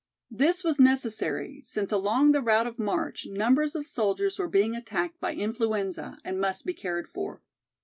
This was necessary since along the route of march numbers of soldiers were being attacked by influenza and must be cared for.